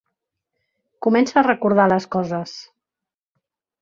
Comença a recordar les coses.